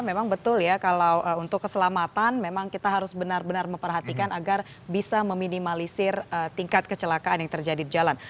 memang betul ya kalau untuk keselamatan memang kita harus benar benar memperhatikan agar bisa meminimalisir tingkat kecelakaan yang terjadi di jalan